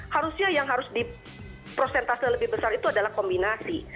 harusnya yang harus di prosentase lebih besar itu adalah kombinasi